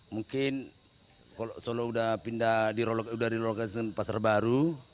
mungkin kalau solo sudah dirolokasi dengan pasar baru